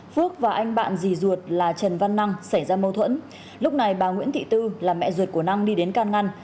phước và anh bạn rì ruột là trần văn năng xảy ra mâu thuẫn lúc này bà nguyễn thị tư là mẹ ruột của năng đi đến can ngăn